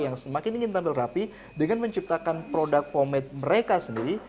yang semakin ingin tampil rapi dengan menciptakan produk pomed mereka sendiri